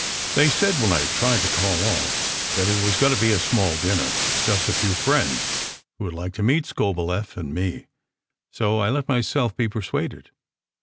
They said, when I tried to cry off, that it was going to be a small dinner just a few friends who would like to meet Skobeleff and me, so I let myself be persuaded.